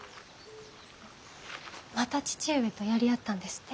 また義父上とやり合ったんですって。